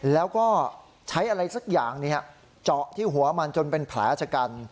แล้วก็ใช้อะไรสักอย่างเจาะที่หัวมันจนเป็นแผลชะกัน